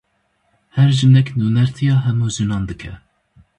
Her jinek nûnertiya hemû jinan dike.